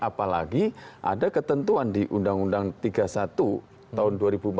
apalagi ada ketentuan di undang undang tiga puluh satu tahun dua ribu empat belas